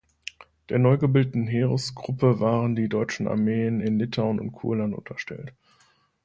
Der neugebildeten Heeresgruppe waren die deutschen Armeen in Litauen und Kurland unterstellt.